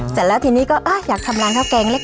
จัดแล้วทีนี้ก็อ๊ะอยากทำร้านข้าวแกงเล็ก